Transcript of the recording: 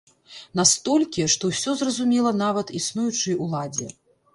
Настолькі, што ўсё зразумела нават існуючай уладзе.